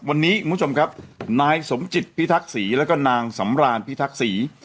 วันนี้คุณผู้ชมครับนายสมจิตพิทักษีแล้วก็นางสำรานพิทักษี